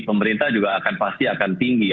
pemerintah juga akan pasti akan tinggi